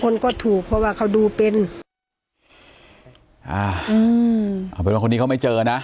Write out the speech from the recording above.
เหมือนเป็นคนที่เค้าไม่เจอนะ